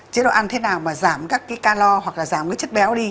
chế độ ăn thế nào mà giảm các calor hoặc là giảm chất béo đi